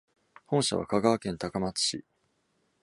本社は香川県高松市。